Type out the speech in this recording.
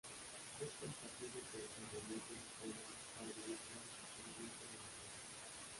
Es compatible con las herramientas estándar para analizar el funcionamiento de la red.